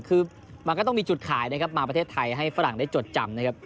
คือมันก็ต้องมีจุดขายนะครับมาประเทศไทยให้ฝรั่งได้จดจำนะครับ